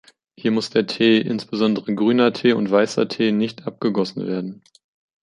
Hier muss der Tee, insbesondere Grüner Tee und Weißer Tee, nicht abgegossen werden.